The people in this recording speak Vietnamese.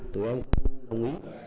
tụi em cũng đồng ý